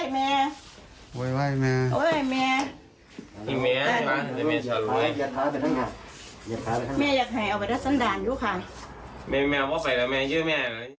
แม่ว่าไปแล้วแม่เยื่อแม่